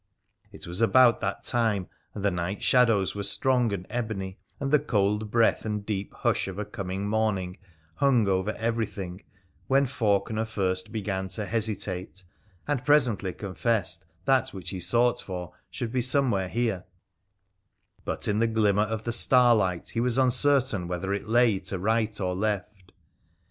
It was about that time, and the night shadows were strong and ebony, and the cold breath and deep hush cf a coming morning hung over every thing when Faulkener first began to hesitate, and presently confessed that that which he sought for should be somewhere here, but in the glimmer of the starlight he was uncertain whether it lay to right or left.